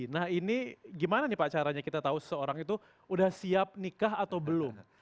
nah ini gimana nih pak caranya kita tahu seseorang itu udah siap nikah atau belum